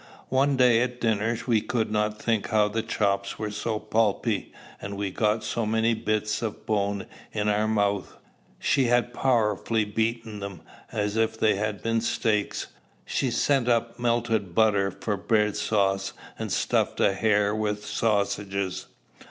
One day at dinner, we could not think how the chops were so pulpy, and we got so many bits of bone in our mouth: she had powerfully beaten them, as if they had been steaks. She sent up melted butter for bread sauce, and stuffed a hare with sausages.